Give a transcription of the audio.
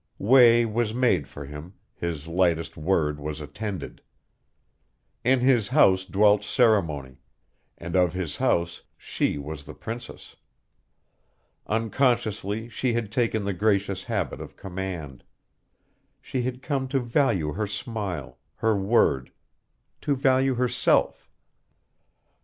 Way was made for him, his lightest word was attended. In his house dwelt ceremony, and of his house she was the princess. Unconsciously she had taken the gracious habit of command. She had come to value her smile, her word, to value herself.